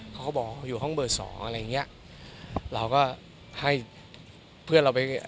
เขาก็บอกว่าอยู่ห้องเบอร์สองอะไรอย่างเงี้ยเราก็ให้เพื่อนเราไป